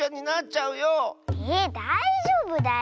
えだいじょうぶだよ。